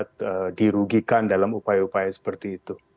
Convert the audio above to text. dan tidak ada yang dirugikan dalam upaya upaya seperti itu